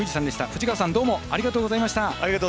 藤川さんどうもありがとうございました。